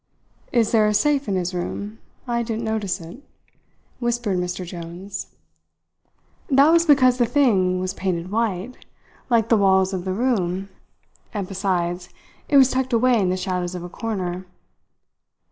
"Is there a safe in this room? I didn't notice it," whispered Mr. Jones. That was because the thing was painted white, like the walls of the room; and besides, it was tucked away in the shadows of a corner.